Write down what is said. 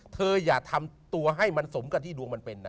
อย่าทำตัวให้มันสมกับที่ดวงมันเป็นนะ